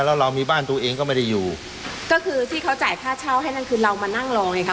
แล้วเรามีบ้านตัวเองก็ไม่ได้อยู่ก็คือที่เขาจ่ายค่าเช่าให้นั่นคือเรามานั่งรอไงค่ะ